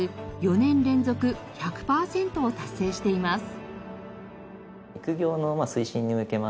４年連続１００パーセントを達成しています。